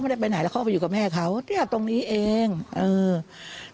ไม่ได้ไปไหนแล้วเขาไปอยู่กับแม่เขาเนี้ยตรงนี้เองเออ